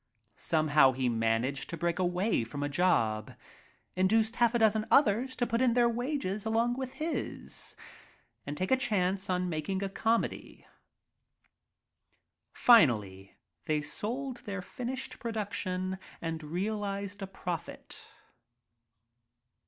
Somehow he managed to break away from a job — induced half a dozen others to put in their wages along with his and take a chance on making a comedy. Finally, they sold their finished production and realized a profit.